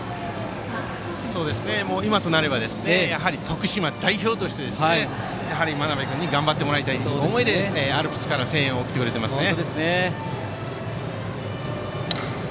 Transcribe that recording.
今となればやはり徳島代表として真鍋君には頑張ってもらいたいという思いでアルプスから声援を送ってくれていますね。